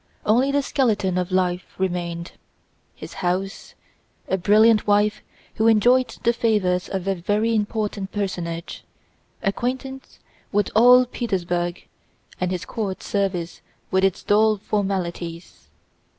Only the skeleton of life remained: his house, a brilliant wife who now enjoyed the favors of a very important personage, acquaintance with all Petersburg, and his court service with its dull formalities.